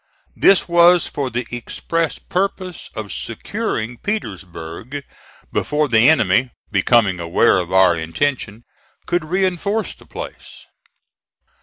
This was for the express purpose of securing Petersburg before the enemy, becoming aware of our intention, could reinforce the place.